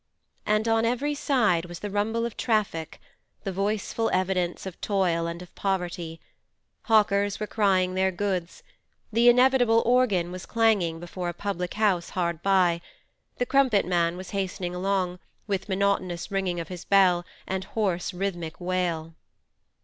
And on every side was the rumble of traffic, the voiceful evidence of toil and of poverty; hawkers were crying their goods; the inevitable organ was clanging before a public house hard by; the crumpet man was hastening along, with monotonous ringing of his bell and hoarse rhythmic wail.